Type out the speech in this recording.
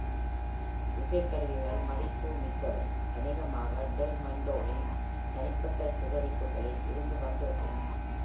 இசைக் கருவிகள் மதிப்புமிக்கவை, அநேகமாக டெல் மோன்டேவின் தனிப்பட்ட சேகரிப்புகளில் இருந்து வந்திருக்கலாம்.